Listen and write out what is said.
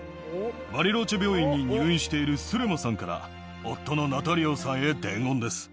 バリローチェ病院に入院しているスレマさんから、夫のナタリオさんへ伝言です。